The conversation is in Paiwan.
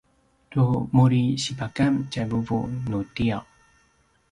tu muri sipakan tjai vuvu nu tiyaw